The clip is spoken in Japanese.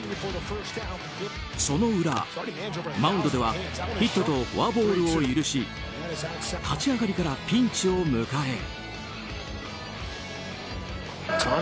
その裏、マウンドではヒットとフォアボールを許し立ち上がりからピンチを迎え。